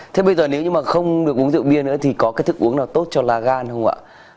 thế bây giờ nếu như mà không được uống rượu bia nữa thì có cái thức uống nào tốt cho lá gan không ạ